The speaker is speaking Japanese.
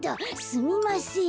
すみません。